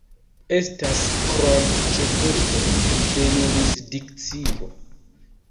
Estas krome ĉefurbo de jurisdikcio.